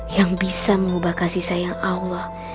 yang bisa mengubah kasih sayang allah